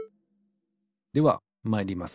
ではまいります。